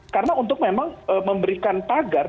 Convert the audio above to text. karena untuk memang memberikan pagar